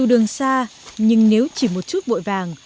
dường xa nhưng nếu chỉ một chút bội vàng